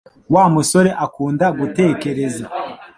Wa musore akunda gutekereza